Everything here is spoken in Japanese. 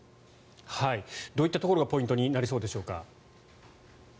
どういったところがポイントになりそうでしょうか。